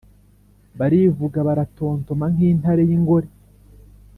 Barivuga, baratontoma nk’intare y’ingore,